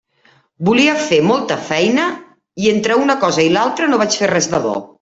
Volia fer molta feina i entre una cosa i l'altra no vaig fer res de bo.